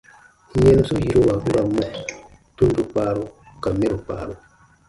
Yɛnusu yiruwa u ra n mɔ : tundo kpaaru ka mɛro kpaaru.